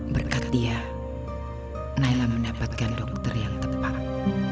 berkat dia naila mendapatkan dokter yang tepat